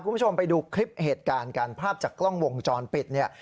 คุณผู้ชมไปดูคลิปเหตุการณ์กันภาพจากกล้องวงจรปิดเนี่ย